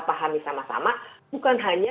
pahami sama sama bukan hanya